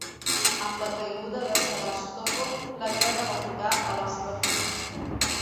Amb la caiguda de Sebastòpol, la guerra va tocar a la seva fi.